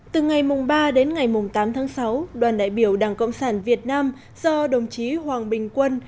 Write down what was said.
từ ngày ba đến ngày tám tháng sáu đoàn đại biểu đảng cộng sản việt nam do đồng chí hoàng bình quân